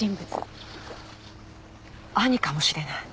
義兄かもしれない。